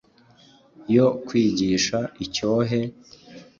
yo kwigisha icyohe,